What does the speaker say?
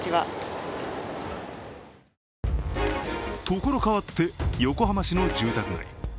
所変わって、横浜市の住宅街。